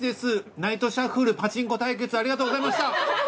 『ナイトシャッフル』パチンコ対決ありがとうございました。